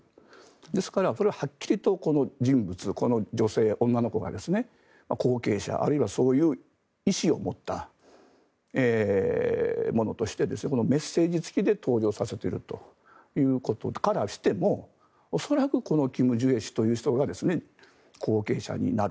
ですから、これははっきりとこの人物、この女の子が後継者、あるいはそういう意思を持った者としてメッセージ付きで登場させているということからしても恐らくキム・ジュエ氏という人が後継者になる。